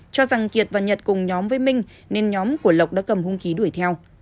cho rằng kiệt và nhật cùng nhóm với minh nên nhóm của lộc đã cầm hung khí đuổi theo